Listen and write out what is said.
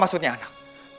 apa maksudnya anak